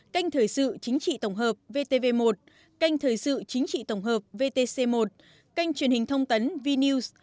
kênh thời sự chính trị tổng hợp vtv một kênh thời sự chính trị tổng hợp vtc một kênh truyền hình thông tấn vis